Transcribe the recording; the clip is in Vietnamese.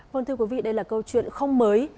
vâng thưa quý vị đây là câu chuyện không mới